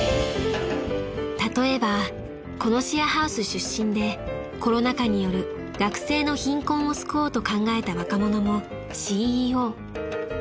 ［例えばこのシェアハウス出身でコロナ禍による学生の貧困を救おうと考えた若者もＣＥＯ］